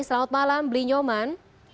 selamat malam bli nyoman